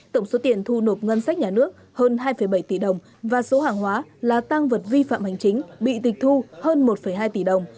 tổng số tiền thu nộp ngân sách nhà nước hơn hai bảy tỷ đồng và số hàng hóa là tăng vật vi phạm hành chính bị tịch thu hơn một hai tỷ đồng